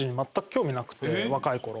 若いころ。